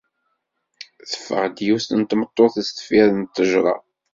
Teffeɣ-d yiwet n tmeṭṭut sdeffir ttejra.